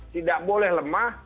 tidak boleh lemah